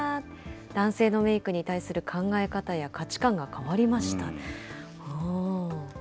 男性のメークに対する考え方や価値観が変わりました。